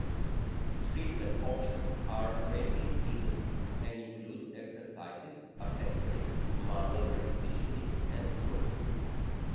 Treatment options are rarely needed, and include exercises, a pessary, manual repositioning, and surgery.